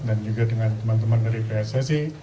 dan juga dengan teman teman dari pssi